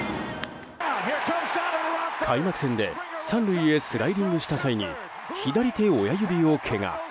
開幕戦で３塁へスライディングした際に左手親指をけが。